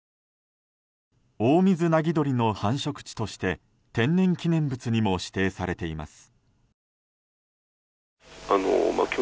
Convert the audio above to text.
オオミズナギドリの繁殖地として天然記念物にも指定されています。